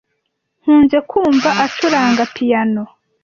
Nkunze kumva acuranga piyano.